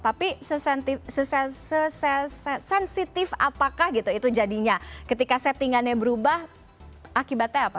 tapi sesensitif apakah gitu itu jadinya ketika settingannya berubah akibatnya apa